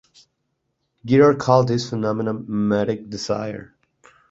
Girard called this phenomenon mimetic desire.